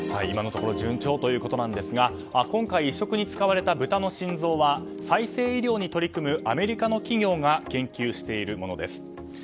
今のところ順調ということですが今回、移植に使われた豚の心臓は再生医療に取り組むアメリカの企業が研究しているものです。